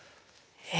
え